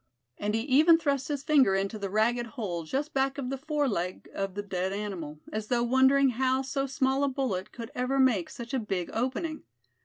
And he even thrust his finger into the ragged hole just back of the fore leg of the dead animal, as though wondering how so small a bullet could ever make such a big opening.